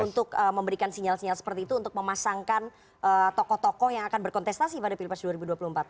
untuk memberikan sinyal sinyal seperti itu untuk memasangkan tokoh tokoh yang akan berkontestasi pada pilpres dua ribu dua puluh empat